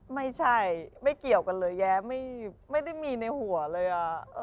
ไม่ใช่ไม่เกี่ยวกันเลยแย้ไม่ได้มีในหัวเลย